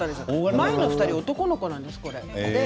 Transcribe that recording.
前の２人、男の子なんです。